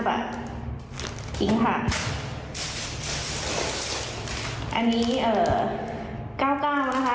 อันนี้เอ่อ๙๙บาทนะคะ